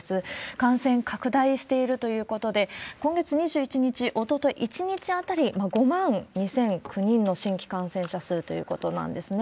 感染拡大しているということで、今月２１日、おととい、１日当たり５万２００９人の新規感染者数ということなんですね。